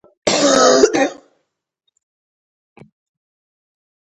د ژوند پېچلیو مسایلو پوهېدلی دی.